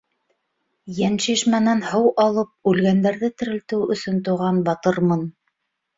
Йәншишмәнән һыу алып үлгәндәрҙе терелтеү өсөн тыуған батырмын.